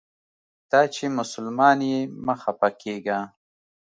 دا چې مسلمان یې مه خپه کیږه.